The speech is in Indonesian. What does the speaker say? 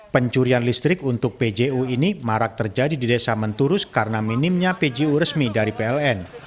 pencurian listrik untuk pju ini marak terjadi di desa menturus karena minimnya pju resmi dari pln